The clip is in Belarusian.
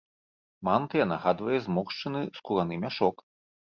Мантыя нагадвае зморшчыны скураны мяшок.